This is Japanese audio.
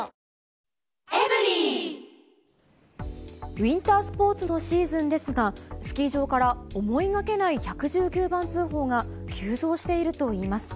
ウインタースポーツのシーズンですが、スキー場から思いがけない１１９番通報が急増しているといいます。